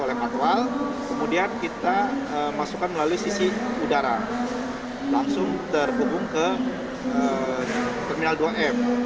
oleh manual kemudian kita masukkan melalui sisi udara langsung terhubung ke terminal dua f